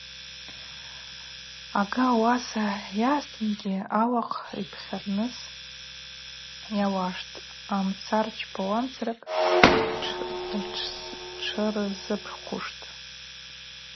Ага ауаса йаъазтынгьи, ауахъ йпхьарныс ауаштӏ, мца рчпауамцара, тшырзырпхуштӏ.